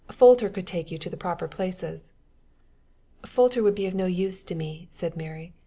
"Folter could take you to the proper places." "Folter would be of no use to me," said Mary.